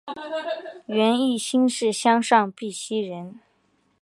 袁翼新市乡上碧溪人。